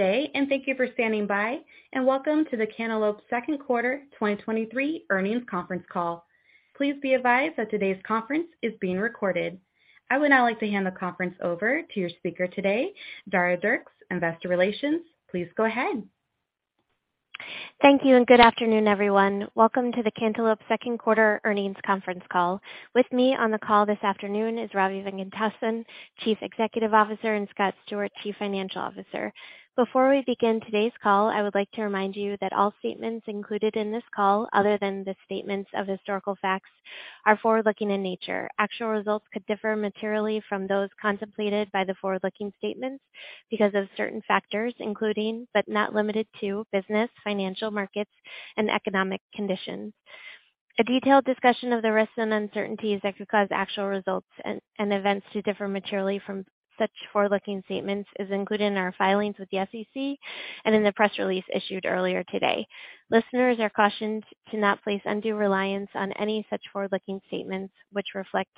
Good day, and thank you for standing by, and welcome to the Cantaloupe second quarter 2023 earnings conference call. Please be advised that today's conference is being recorded. I would now like to hand the conference over to your speaker today, Dara Dierks, investor relations. Please go ahead. Thank you. Good afternoon, everyone. Welcome to the Cantaloupe second quarter earnings conference call. With me on the call this afternoon is Ravi Venkatesan, Chief Executive Officer, and Scott Stewart, Chief Financial Officer. Before we begin today's call, I would like to remind you that all statements included in this call, other than the statements of historical facts, are forward-looking in nature. Actual results could differ materially from those contemplated by the forward-looking statements because of certain factors, including, but not limited to, business, financial, markets, and economic conditions. A detailed discussion of the risks and uncertainties that could cause actual results and events to differ materially from such forward-looking statements is included in our filings with the SEC and in the press release issued earlier today. Listeners are cautioned to not place undue reliance on any such forward-looking statements, which reflect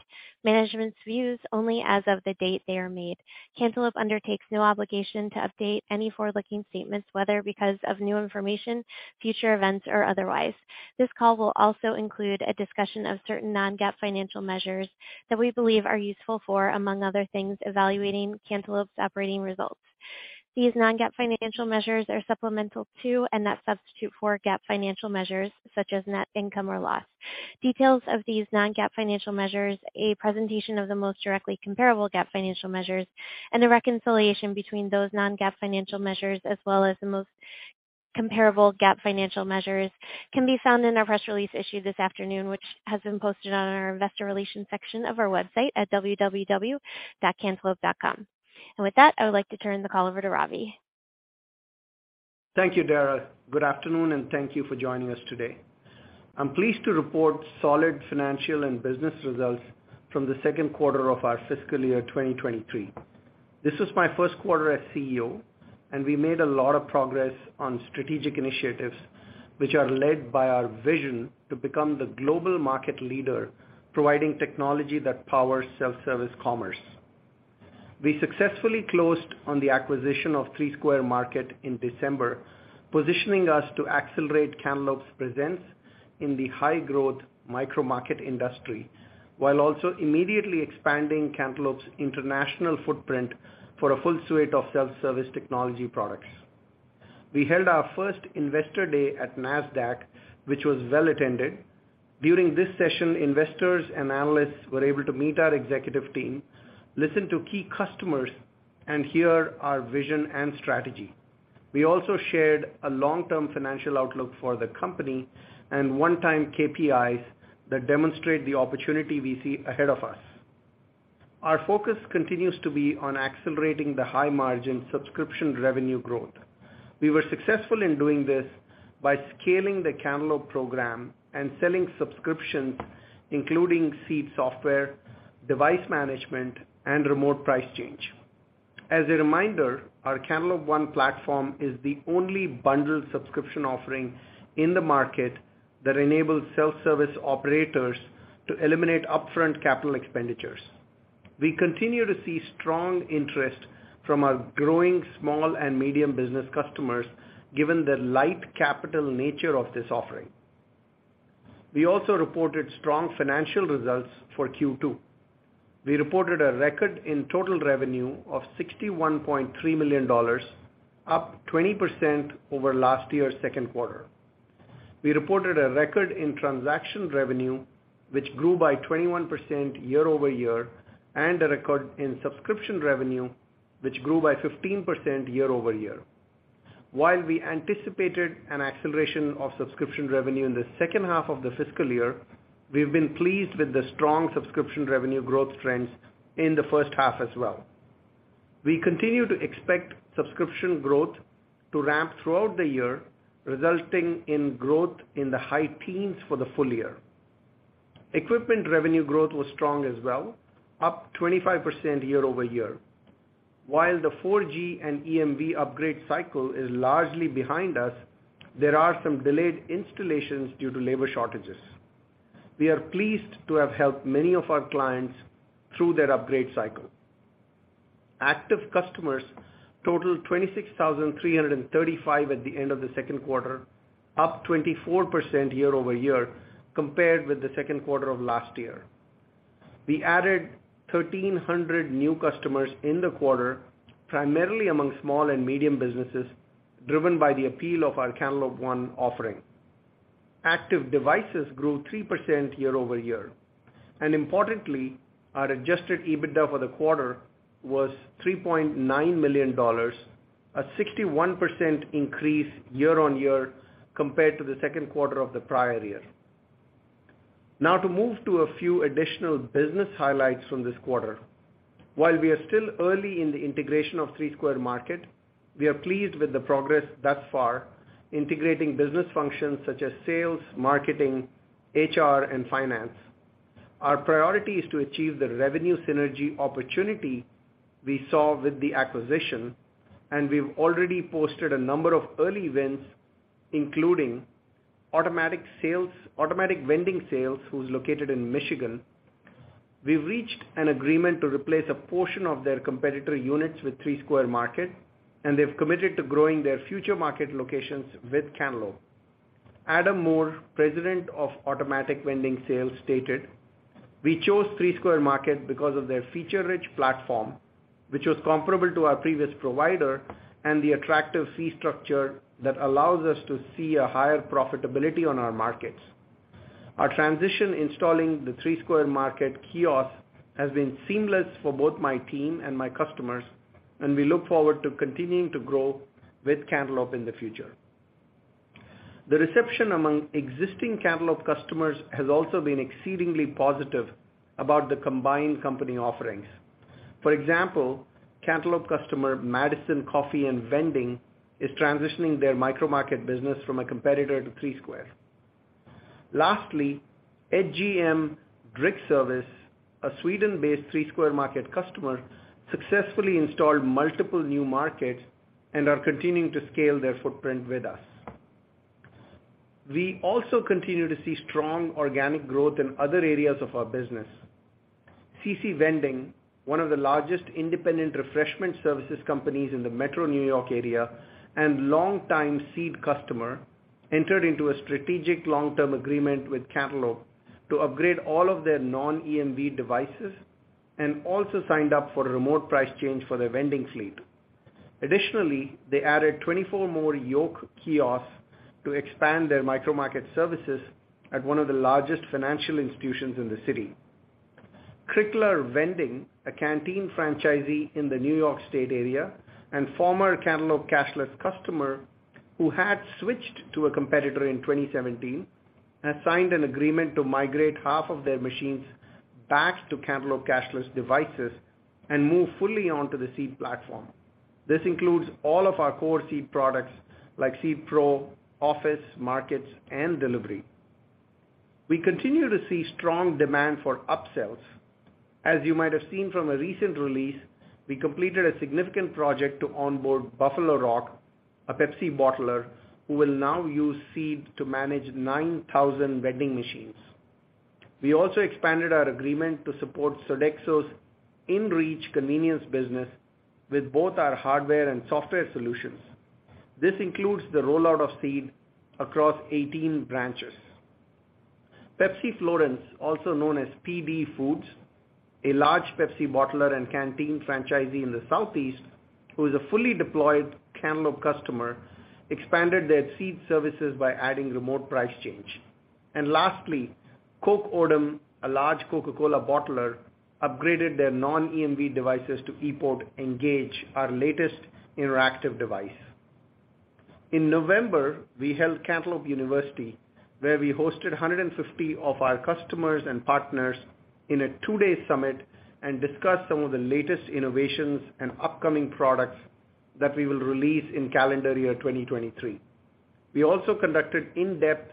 management's views only as of the date they are made. Cantaloupe undertakes no obligation to update any forward-looking statements, whether because of new information, future events, or otherwise. This call will also include a discussion of certain non-GAAP financial measures that we believe are useful for, among other things, evaluating Cantaloupe's operating results. These non-GAAP financial measures are supplemental to and not substitute for GAAP financial measures, such as net income or loss. Details of these non-GAAP financial measures, a presentation of the most directly comparable GAAP financial measures, and a reconciliation between those non-GAAP financial measures as well as the most comparable GAAP financial measures can be found in our press release issued this afternoon, which has been posted on our investor relations section of our website at www.cantaloupe.com. With that, I would like to turn the call over to Ravi. Thank you, Dara. Good afternoon. Thank you for joining us today. I'm pleased to report solid financial and business results from the second quarter of our fiscal year 2023. This was my first quarter as CEO. We made a lot of progress on strategic initiatives which are led by our vision to become the global market leader providing technology that powers self-service commerce. We successfully closed on the acquisition of Three Square Market in December, positioning us to accelerate Cantaloupe's presence in the high-growth micro-market industry, while also immediately expanding Cantaloupe's international footprint for a full suite of self-service technology products. We held our first Investor Day at Nasdaq, which was well attended. During this session, investors and analysts were able to meet our executive team, listen to key customers, and hear our vision and strategy. We also shared a long-term financial outlook for the company and one-time KPIs that demonstrate the opportunity we see ahead of us. Our focus continues to be on accelerating the high-margin subscription revenue growth. We were successful in doing this by scaling the Cantaloupe program and selling subscriptions, including Seed software, device management, and Remote Price Change. As a reminder, our Cantaloupe One platform is the only bundled subscription offering in the market that enables self-service operators to eliminate upfront capital expenditures. We continue to see strong interest from our growing small and medium business customers, given the light capital nature of this offering. We also reported strong financial results for Q2. We reported a record in total revenue of $61.3 million, up 20% over last year's second quarter. We reported a record in transaction revenue, which grew by 21% year-over-year, and a record in subscription revenue, which grew by 15% year-over-year. While we anticipated an acceleration of subscription revenue in the second half of the fiscal year, we've been pleased with the strong subscription revenue growth trends in the first half as well. We continue to expect subscription growth to ramp throughout the year, resulting in growth in the high teens for the full year. Equipment revenue growth was strong as well, up 25% year-over-year. While the 4G and EMV upgrade cycle is largely behind us, there are some delayed installations due to labor shortages. We are pleased to have helped many of our clients through their upgrade cycle. Active customers totaled 26,335 at the end of the second quarter, up 24% year-over-year compared with the second quarter of last year. We added 1,300 new customers in the quarter, primarily among small and medium businesses, driven by the appeal of our Cantaloupe One offering. Active devices grew 3% year-over-year, and importantly, our adjusted EBITDA for the quarter was $3.9 million, a 61% increase year-on-year compared to the second quarter of the prior year. To move to a few additional business highlights from this quarter. While we are still early in the integration of Three Square Market, we are pleased with the progress thus far, integrating business functions such as sales, marketing, HR, and finance. Our priority is to achieve the revenue synergy opportunity we saw with the acquisition. We've already posted a number of early wins, including Automatic Vending Sales, who's located in Michigan. We've reached an agreement to replace a portion of their competitor units with Three Square Market, and they've committed to growing their future market locations with Cantaloupe. Adam Moore, President of Automatic Vending Sales, stated, "We chose Three Square Market because of their feature-rich platform, which was comparable to our previous provider, and the attractive fee structure that allows us to see a higher profitability on our markets. Our transition installing the Three Square Market kiosk has been seamless for both my team and my customers, and we look forward to continuing to grow with Cantaloupe in the future." The reception among existing Cantaloupe customers has also been exceedingly positive about the combined company's offerings. For example, Cantaloupe customer Madison Coffee and Vending is transitioning their micro-market business from a competitor to Three Square. HGM Dryckservice, a Sweden-based Three Square Market customer, successfully installed multiple new markets and are continuing to scale their footprint with us. We also continue to see strong organic growth in other areas of our business. CC Vending, one of the largest independent refreshment services companies in the metro New York area and longtime Seed customer, entered into a strategic long-term agreement with Cantaloupe to upgrade all of their non-EMV devices and also signed up for a Remote Price Change for their vending fleet. They added 24 more Yoke kiosks to expand their micro-market services at one of the largest financial institutions in the city. Crickler Vending, a Canteen franchisee in the New York State area and former Cantaloupe cashless customer who had switched to a competitor in 2017, has signed an agreement to migrate half of their machines back to Cantaloupe cashless devices and move fully onto the Seed platform. This includes all of our core Seed products, like Seed Pro, Office, Markets, and Delivery. We continue to see strong demand for upsells. As you might have seen from a recent release, we completed a significant project to onboard Buffalo Rock, a Pepsi bottler, who will now use Seed to manage 9,000 vending machines. We also expanded our agreement to support Sodexo's InReach convenience business with both our hardware and software solutions. This includes the rollout of Seed across 18 branches. Pepsi-Florence, also known as PB Foods, a large Pepsi bottler and Canteen franchisee in the Southeast, who is a fully deployed Cantaloupe customer, expanded their Seed services by adding Remote Price Change. Lastly, Coke Odom, a large Coca-Cola bottler, upgraded their non-EMV devices to ePort Engage, our latest interactive device. In November, we held Cantaloupe University, where we hosted 150 of our customers and partners in a two-day summit and discussed some of the latest innovations and upcoming products that we will release in calendar year 2023. We also conducted in-depth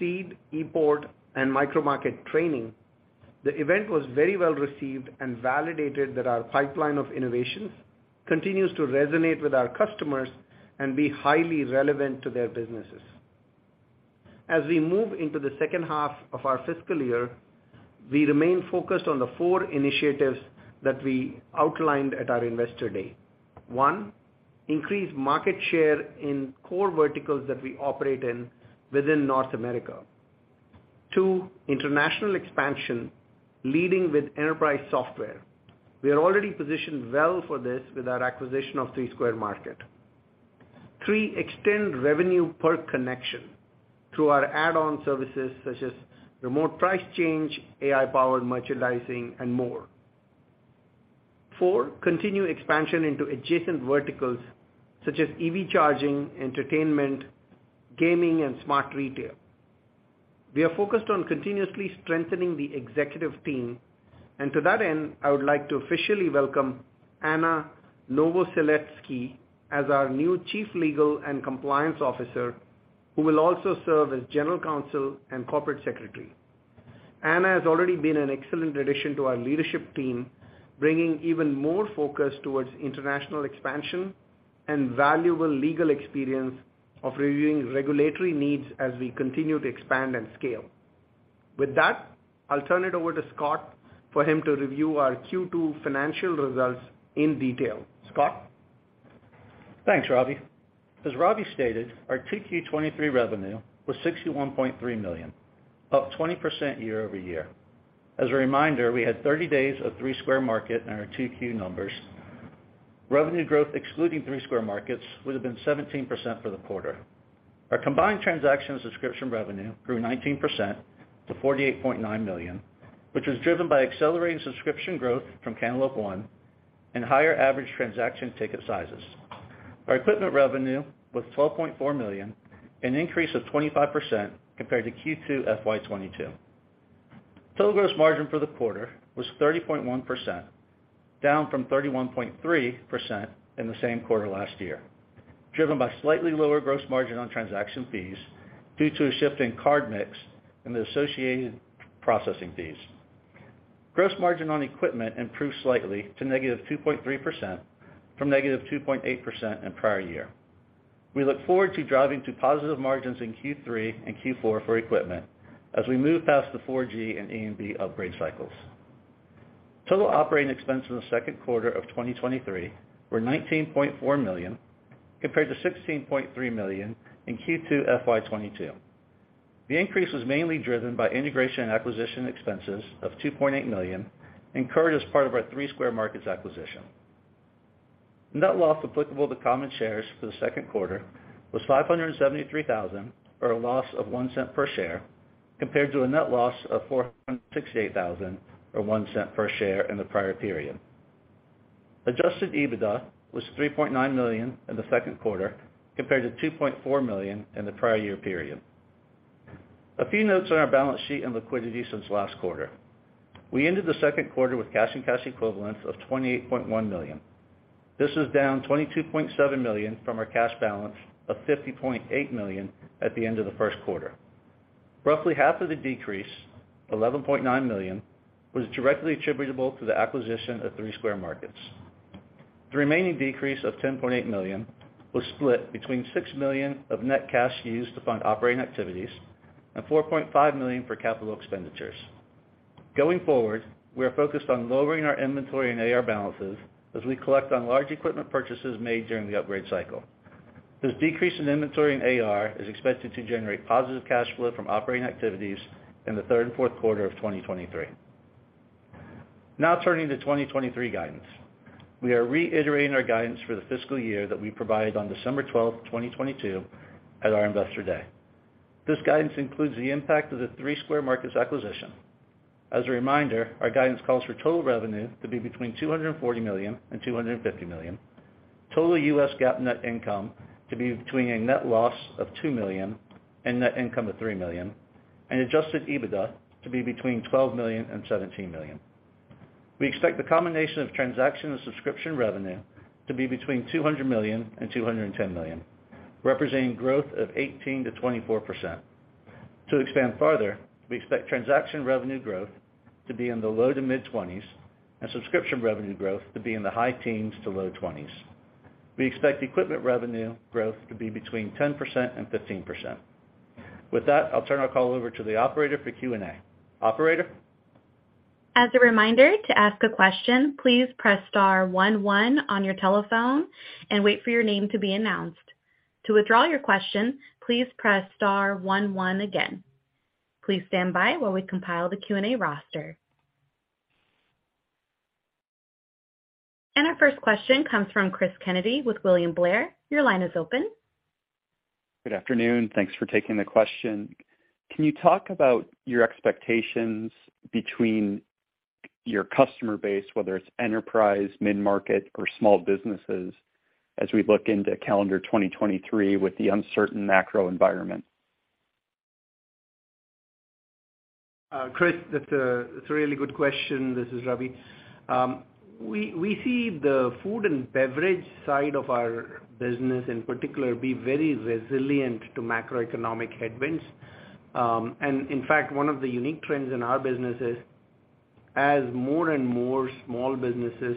Seed, ePort, and micro-market training. The event was very well-received and validated that our pipeline of innovations continues to resonate with our customers and be highly relevant to their businesses. As we move into the second half of our fiscal year, we remain focused on the four initiatives that we outlined at our Investor Day. One, increase market share in core verticals that we operate in within North America. Two, international expansion, leading with enterprise software. We are already positioned well for this with our acquisition of Three Square Market. Three, extend revenue per connection through our add-on services, such as Remote Price Change, AI-powered merchandising and more. Four, continue expansion into adjacent verticals, such as EV charging, entertainment, gaming, and smart retail. We are focused on continuously strengthening the executive team. To that end, I would like to officially welcome Anna Novoseletsky as our new Chief Legal and Compliance Officer, who will also serve as General Counsel and Corporate Secretary. Anna has already been an excellent addition to our leadership team, bringing even more focus towards international expansion and valuable legal experience of reviewing regulatory needs as we continue to expand and scale. With that, I'll turn it over to Scott for him to review our Q2 financial results in detail. Scott? Thanks, Ravi. As Ravi stated, our Q2 2023 revenue was $61.3 million, up 20% year-over-year. As a reminder, we had 30 days of Three Square Market in our Q2 numbers. Revenue growth excluding Three Square Market would have been 17% for the quarter. Our combined transaction subscription revenue grew 19% to $48.9 million, which was driven by accelerating subscription growth from Cantaloupe One and higher average transaction ticket sizes. Our equipment revenue was $12.4 million, an increase of 25% compared to Q2 FY 2022. Total gross margin for the quarter was 30.1%, down from 31.3% in the same quarter last year, driven by slightly lower gross margin on transaction fees due to a shift in card mix and the associated processing fees. Gross margin on equipment improved slightly to -2.3% from -2.8% in prior year. We look forward to driving to positive margins in Q3 and Q4 for equipment as we move past the 4G and EMV upgrade cycles. Total operating expenses in the second quarter of 2023 were $19.4 million compared to $16.3 million in Q2 FY 2022. The increase was mainly driven by integration and acquisition expenses of $2.8 million incurred as part of our Three Square Market acquisition. Net loss applicable to common shares for the second quarter was $573,000, or a loss of $0.01 per share, compared to a net loss of $468,000, or $0.01 per share in the prior period. Adjusted EBITDA was $3.9 million in the second quarter, compared to $2.4 million in the prior year period. A few notes on our balance sheet and liquidity since last quarter. We ended the second quarter with cash and cash equivalents of $28.1 million. This is down $22.7 million from our cash balance of $50.8 million at the end of the first quarter. Roughly half of the decrease, $11.9 million, was directly attributable to the acquisition of Three Square Markets. The remaining decrease of $10.8 million was split between $6 million of net cash used to fund operating activities and $4.5 million for capital expenditures. Going forward, we are focused on lowering our inventory and AR balances as we collect on large equipment purchases made during the upgrade cycle. This decrease in inventory and AR is expected to generate positive cash flow from operating activities in the third and fourth quarter of 2023. Turning to 2023 guidance. We are reiterating our guidance for the fiscal year that we provided on December 12th, 2022 at our Investor Day. This guidance includes the impact of the Three Square Markets acquisition. As a reminder, our guidance calls for total revenue to be between $240 million and $250 million, total U.S. GAAP net income to be between a net loss of $2 million and net income of $3 million, and adjusted EBITDA to be between $12 million and $17 million. We expect the combination of transaction and subscription revenue to be between $200 million and $210 million, representing growth of 18%-24%. To expand farther, we expect transaction revenue growth to be in the low to mid-20s and subscription revenue growth to be in the high teens to low 20s. We expect equipment revenue growth to be between 10% and 15%. With that, I'll turn our call over to the operator for Q&A. Operator? As a reminder, to ask a question, please press star one one on your telephone and wait for your name to be announced. To withdraw your question, please press star one one again. Please stand by while we compile the Q&A roster. Our first question comes from Chris Kennedy with William Blair. Your line is open. Good afternoon. Thanks for taking the question. Can you talk about your expectations between your customer base, whether it's enterprise, mid-market, or small businesses, as we look into calendar 2023 with the uncertain macro environment? Chris, that's a really good question. This is Ravi. We see the food and beverage side of our business in particular be very resilient to macroeconomic headwinds. In fact, one of the unique trends in our business is as more and more small businesses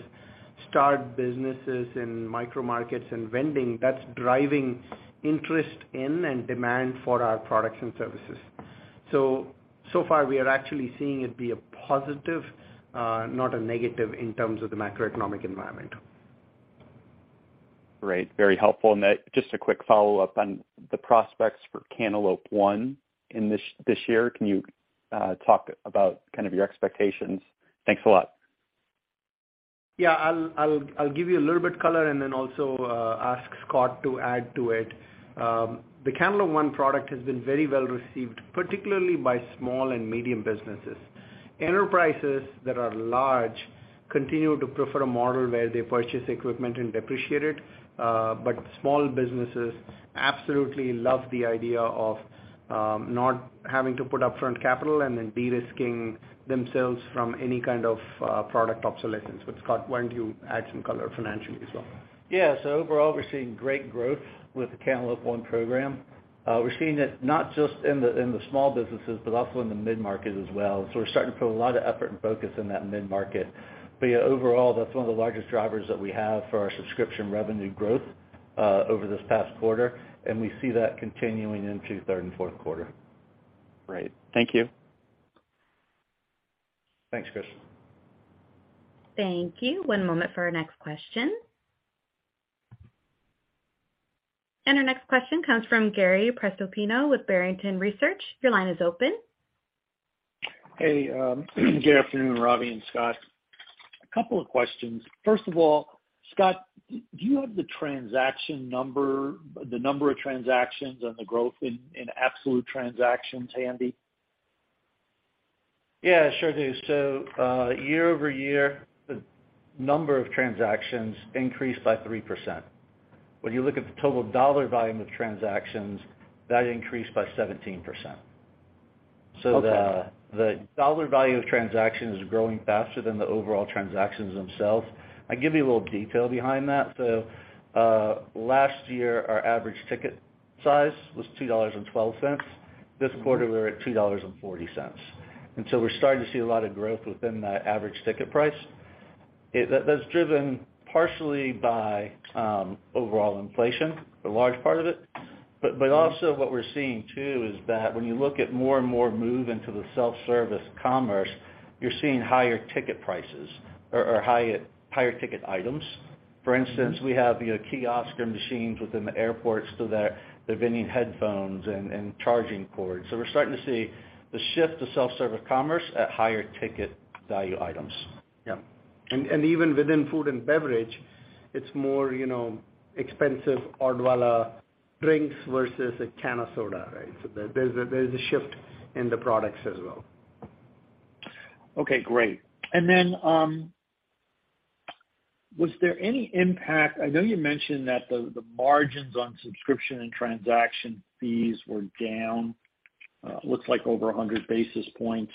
start businesses in micro markets and vending, that's driving interest in and demand for our products and services. So far we are actually seeing it be a positive, not a negative in terms of the macroeconomic environment. Great. Very helpful. Just a quick follow-up on the prospects for Cantaloupe One in this year. Can you talk about kind of your expectations? Thanks a lot. Yeah. I'll give you a little bit color and then also ask Scott to add to it. The Cantaloupe One product has been very well received, particularly by small and medium businesses. Enterprises that are large continue to prefer a model where they purchase equipment and depreciate it, small businesses absolutely love the idea of not having to put up front capital and then de-risking themselves from any kind of product obsolescence. Scott, why don't you add some color financially as well? Yeah. Overall, we're seeing great growth with the Cantaloupe One program. We're seeing it not just in the small businesses, but also in the mid-market as well. We're starting to put a lot of effort and focus in that mid-market. Yeah, overall, that's one of the largest drivers that we have for our subscription revenue growth, over this past quarter, and we see that continuing into third and fourth quarter. Great. Thank you. Thanks, Chris. Thank you. One moment for our next question. Our next question comes from Gary Prestopino with Barrington Research. Your line is open. Hey, good afternoon, Ravi and Scott. A couple of questions. First of all, Scott, do you have the transaction number, the number of transactions and the growth in absolute transactions handy? Yeah, sure do. Year-over-year, the number of transactions increased by 3%. When you look at the total dollar volume of transactions, that increased by 17%. Okay. The dollar value of transactions is growing faster than the overall transactions themselves. I can give you a little detail behind that. Last year, our average ticket size was $2.12. This quarter, we're at $2.40. We're starting to see a lot of growth within that average ticket price. That's driven partially by overall inflation, a large part of it. Also, what we're seeing too is that when you look at more and more move into the self-service commerce, you're seeing higher ticket prices or higher ticket items. For instance, we have, you know, kiosk and machines within the airports, so they're vending headphones and charging cords. We're starting to see the shift to self-service commerce at higher ticket value items. Yeah. Even within food and beverage, it's more, you know, expensive Odwalla drinks versus a can of soda, right? There's a shift in the products as well. Okay, great. Was there any impact, I know you mentioned that the margins on subscription and transaction fees were down, looks like over 100 basis points?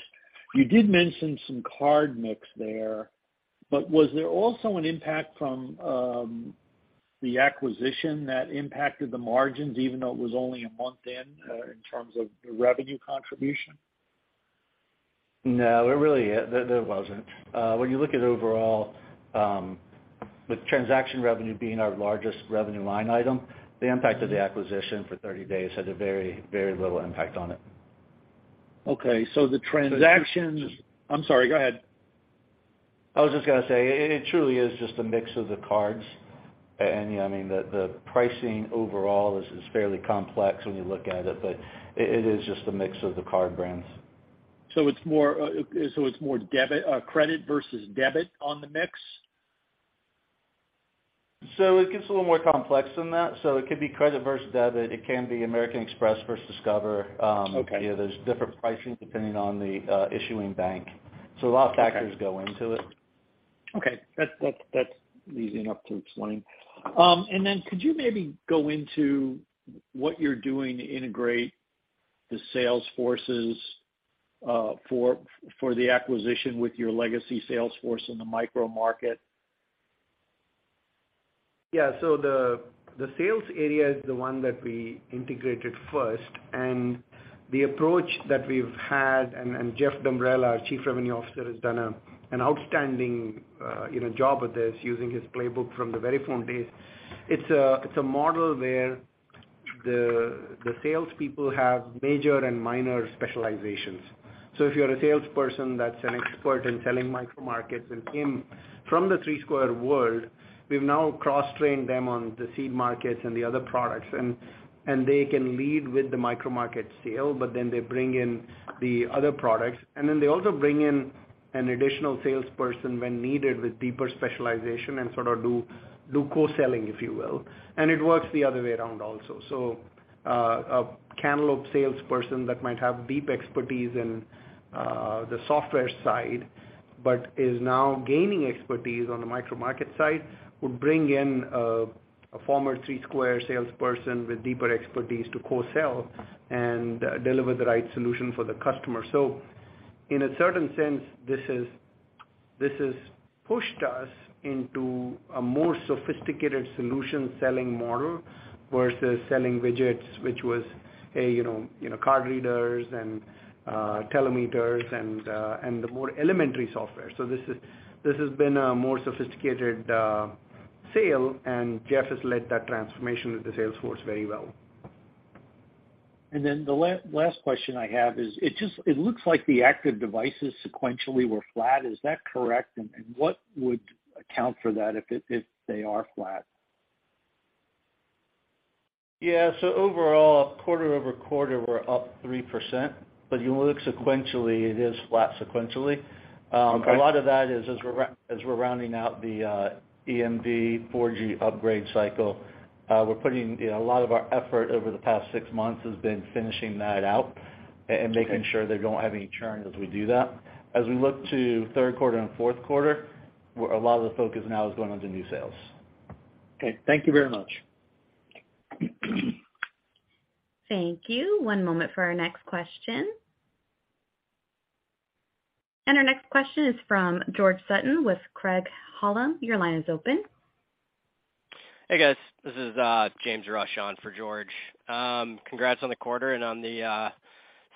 You did mention some card mix there, but was there also an impact from the acquisition that impacted the margins, even though it was only a month in terms of the revenue contribution? No, there really wasn't. When you look at overall, with transaction revenue being our largest revenue line item, the impact of the acquisition for 30 days had a very little impact on it. Okay. I'm sorry, go ahead. I was just gonna say, it truly is just a mix of the cards. Yeah, I mean, the pricing overall is fairly complex when you look at it, but it is just a mix of the card brands. It's more debit, credit versus debit on the mix? It gets a little more complex than that. It could be credit versus debit. It can be American Express versus Discover. Okay. You know, there's different pricing depending on the issuing bank. Okay. A lot of factors go into it. Okay. That's easy enough to explain. Could you maybe go into what you're doing to integrate the sales forces, for the acquisition with your legacy sales force in the micro market? The sales area is the one that we integrated first, and the approach that we've had, and Jeff Dumbrell, our Chief Revenue Officer, has done an outstanding, you know, job at this using his playbook from the Verifone days. It's a model where the salespeople have major and minor specializations. If you're a salesperson that's an expert in selling micro markets and came from the Three Square world, we've now cross-trained them on the Seed Markets and the other products. They can lead with the micro market sale, but then they bring in the other products, and then they also bring in an additional salesperson when needed with deeper specialization and sort of do co-selling, if you will. It works the other way around also. A Cantaloupe salesperson that might have deep expertise in the software side, but is now gaining expertise on the micro market side, would bring in a former Three Square salesperson with deeper expertise to co-sell and deliver the right solution for the customer. In a certain sense, this has pushed us into a more sophisticated solution selling model versus selling widgets, which was, hey, you know, card readers and telemeters and the more elementary software. This has been a more sophisticated sale, and Jeff has led that transformation with the sales force very well. The last question I have is, it looks like the active devices sequentially were flat. Is that correct? What would account for that if they are flat? Yeah. Overall, quarter-over-quarter, we're up 3%, but you look sequentially, it is flat sequentially. Okay. A lot of that is as we're rounding out the EMV 4G upgrade cycle, we're putting, you know, a lot of our effort over the past six months has been finishing that out and making sure they don't have any churn as we do that. As we look to third quarter and fourth quarter, where a lot of the focus now is going on to new sales. Okay. Thank you very much. Thank you. One moment for our next question. Our next question is from George Sutton with Craig-Hallum. Your line is open. Hey, guys. This is James Rush on for George. Congrats on the quarter and on the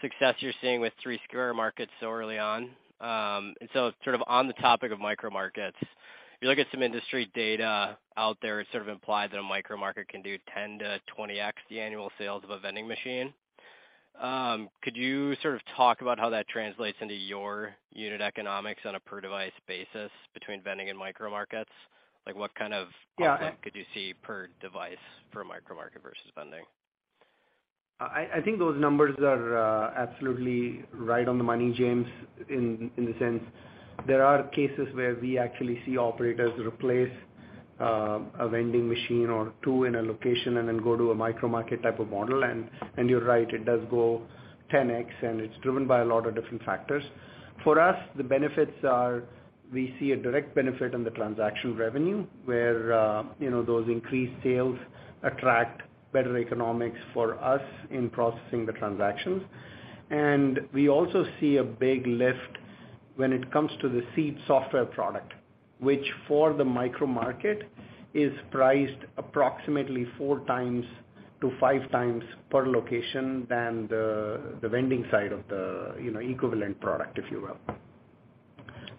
success you're seeing with Three Square Markets so early on. Sort of on the topic of micro markets, if you look at some industry data out there, it sort of implies that a micro market can do 10x-20x the annual sales of a vending machine. Could you sort of talk about how that translates into your unit economics on a per device basis between vending and micro markets? Like, what kind of output could you see per device for micro market versus vending? I think those numbers are absolutely right on the money, James, in the sense there are cases where we actually see operators replace a vending machine or two in a location and then go to a micro market type of model. You're right, it does go 10x, and it's driven by a lot of different factors. For us, the benefits are we see a direct benefit on the transaction revenue, where you know, those increased sales attract better economics for us in processing the transactions. We also see a big lift when it comes to the Seed software product, which for the micro market is priced approximately 4x to 5x per location than the vending side of the, you know, equivalent product, if you will.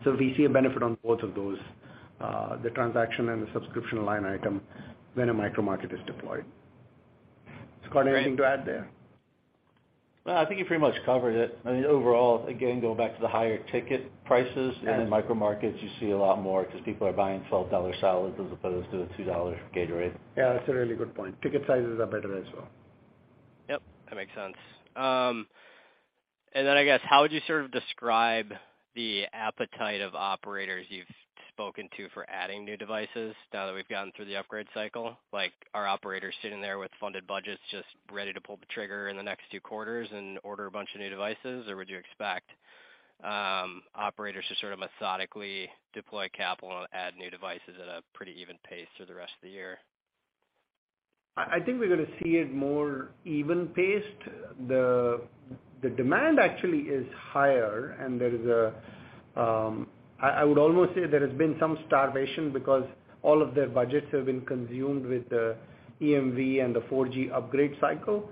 We see a benefit on both of those, the transaction and the subscription line item when a micro-market is deployed. Scott, anything to add there? Well, I think you pretty much covered it. I mean, overall, again, going back to the higher ticket prices in the micro markets, you see a lot more because people are buying $12 salads as opposed to a $2 Gatorade. Yeah, that's a really good point. Ticket sizes are better as well. Yep, that makes sense. Then I guess, how would you sort of describe the appetite of operators you've spoken to for adding new devices now that we've gotten through the upgrade cycle? Like, are operators sitting there with funded budgets just ready to pull the trigger in the next two quarters and order a bunch of new devices? Would you expect operators to sort of methodically deploy capital and add new devices at a pretty even pace through the rest of the year? I think we're gonna see it more even paced. The demand actually is higher, and there is a, I would almost say there has been some starvation because all of their budgets have been consumed with the EMV and the 4G upgrade cycle.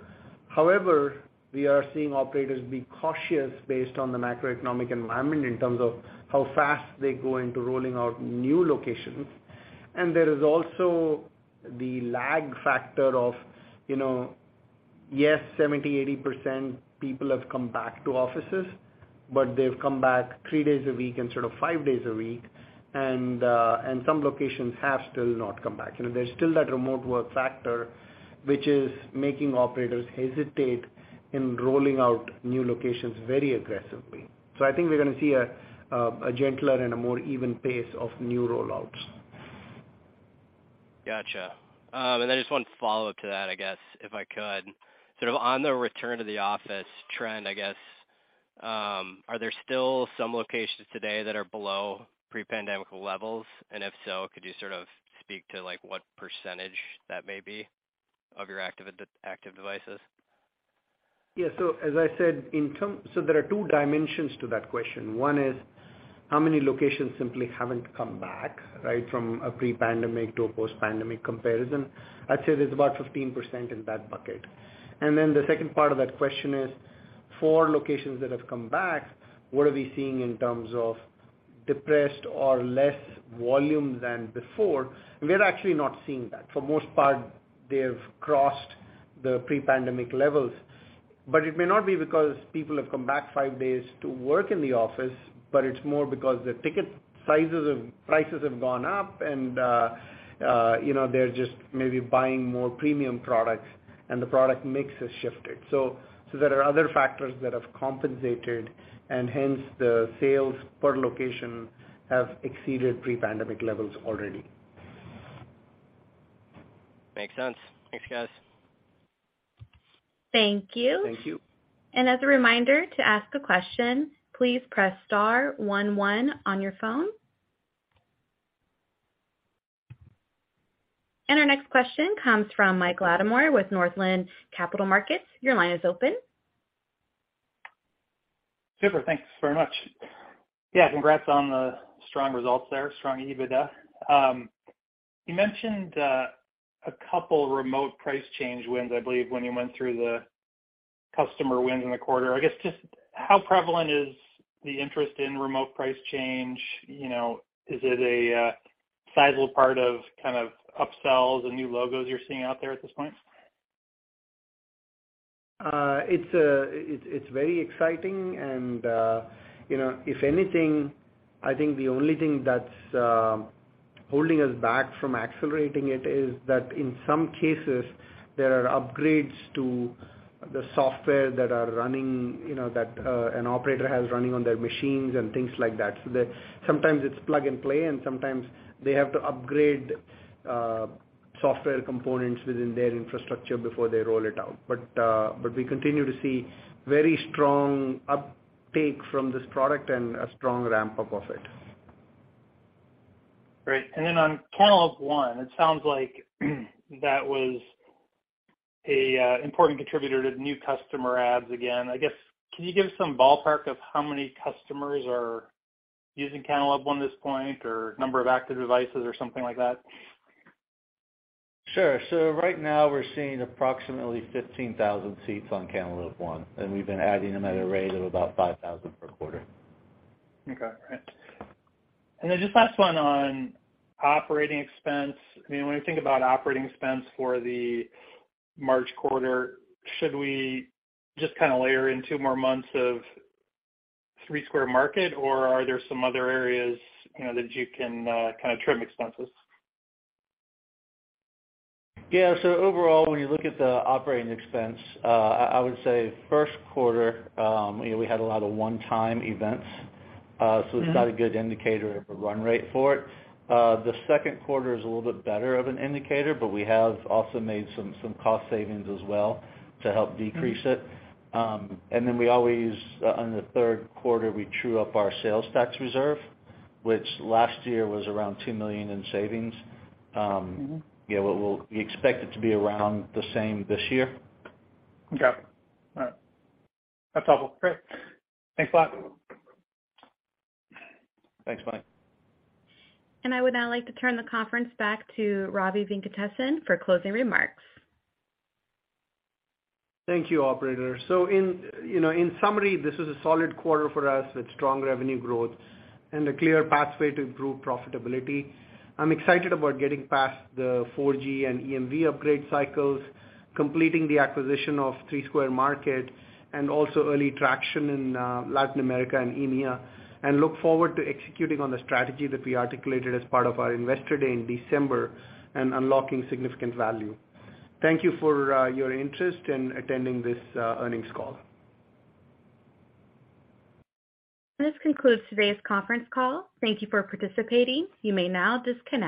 However, we are seeing operators be cautious based on the macroeconomic environment in terms of how fast they go into rolling out new locations. There is also the lag factor of, you know, yes, 70%, 80% people have come back to offices, but they've come back three days a week instead of five days a week, and some locations have still not come back. You know, there's still that remote work factor, which is making operators hesitate in rolling out new locations very aggressively. I think we're gonna see a gentler and a more even pace of new rollouts. Gotcha. I just want to follow up to that, I guess, if I could. Sort of on the return to the office trend, I guess, are there still some locations today that are below pre-pandemic levels? If so, could you sort of speak to, like, what % that may be of your active active devices? Yeah. As I said, there are two dimensions to that question. One is, how many locations simply haven't come back, right? From a pre-pandemic to a post-pandemic comparison. I'd say there's about 15% in that bucket. The second part of that question is, for locations that have come back, what are we seeing in terms of depressed or less volume than before? We're actually not seeing that. For most part, they have crossed the pre-pandemic levels. It may not be because people have come back five days to work in the office, but it's more because the ticket prices have gone up and, you know, they're just maybe buying more premium products and the product mix has shifted. There are other factors that have compensated, and hence the sales per location have exceeded pre-pandemic levels already. Makes sense. Thanks, guys. Thank you. Thank you. As a reminder, to ask a question, please press star one one on your phone. Our next question comes from Mike Latimore with Northland Capital Markets. Your line is open. Super. Thanks very much. Congrats on the strong results there, strong EBITDA. You mentioned a couple of Remote Price Change wins, I believe, when you went through the customer wins in the quarter. Just how prevalent is the interest in Remote Price Change? You know, is it a sizable part of kind of upsells and new logos you're seeing out there at this point? It's very exciting and, you know, if anything, I think the only thing that's holding us back from accelerating it is that in some cases, there are upgrades to the software that are running, you know, that an operator has running on their machines and things like that. Sometimes it's plug-and-play, and sometimes they have to upgrade software components within their infrastructure before they roll it out. We continue to see very strong uptake from this product and a strong ramp-up of it. Great. On Cantaloupe One, it sounds like that was a important contributor to new customer adds again. I guess, can you give some ballpark of how many customers are using Cantaloupe One at this point or number of active devices or something like that? Sure. Right now we're seeing approximately 15,000 seats on Cantaloupe One, and we've been adding them at a rate of about 5,000 per quarter. Okay, great. Just last one on operating expense. I mean, when we think about operating expense for the March quarter, should we just kinda layer in two more months of Three Square Market, or are there some other areas, you know, that you can kinda trim expenses? Yeah. Overall, when you look at the operating expense, I would say first quarter, you know, we had a lot of one-time events. It's not a good indicator of a run rate for it. The second quarter is a little bit better of an indicator, but we have also made some cost savings as well to help decrease it. We always on the third quarter, we true up our sales tax reserve, which last year was around $2 million in savings. Yeah, we expect it to be around the same this year. Okay. All right. That's helpful. Great. Thanks a lot. Thanks, Mike. I would now like to turn the conference back to Ravi Venkatesan for closing remarks. Thank you, operator. In summary, this was a solid quarter for us with strong revenue growth and a clear pathway to improve profitability. I'm excited about getting past the 4G and EMV upgrade cycles, completing the acquisition of Three Square Market, and also early traction in Latin America and EMEA, and look forward to executing on the strategy that we articulated as part of our Investor Day in December and unlocking significant value. Thank you for your interest in attending this earnings call. This concludes today's conference call. Thank you for participating. You may now disconnect.